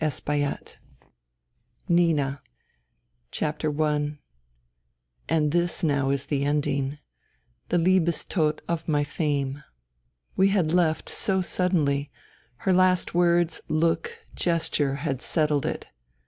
..." PART IV NINA NINA AND this now is the ending, the Liebestod of my theme. We had left so suddenly. Her last words, look, gesture had *' settled it.'